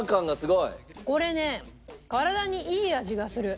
これね体にいい味がする。